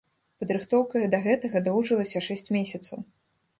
Падрыхтоўка да гэтага доўжылася шэсць месяцаў.